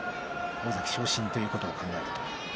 大関昇進ということを考えると。